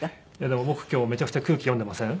でも僕今日めちゃくちゃ空気読んでません？